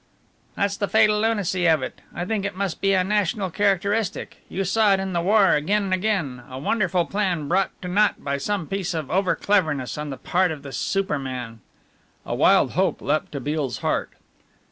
"That's the fatal lunacy of it! I think it must be a national characteristic. You saw it in the war again and again a wonderful plan brought to naught by some piece of over cleverness on the part of the super man." A wild hope leapt to Beale's heart.